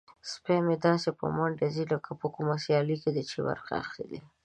سپی مې داسې په منډه ځي لکه په کومه سیالۍ کې چې برخه اخلي.